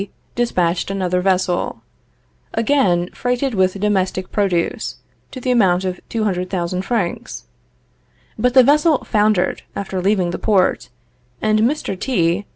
despatched another vessel, again freighted with domestic produce, to the amount of 200,000 francs. But the vessel foundered after leaving the port, and Mr. T